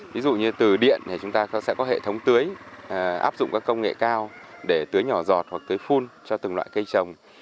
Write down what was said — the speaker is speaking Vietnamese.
ví dụ như từ điện thì chúng ta sẽ có hệ thống tưới áp dụng các công nghệ cao để tưới nhỏ giọt hoặc tưới phun cho từng loại cây trồng